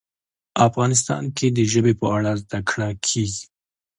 افغانستان کې د ژبې په اړه زده کړه کېږي.